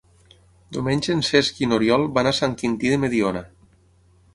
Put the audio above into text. Diumenge en Cesc i n'Oriol van a Sant Quintí de Mediona.